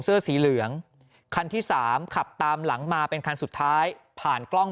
เสื้อสีเหลืองคันที่สามขับตามหลังมาเป็นคันสุดท้ายผ่านกล้อง